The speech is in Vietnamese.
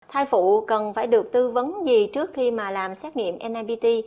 thay phụ cần phải được tư vấn gì trước khi mà làm xét nghiệm nipt